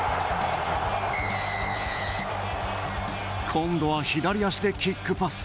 今度は左足でキックパス。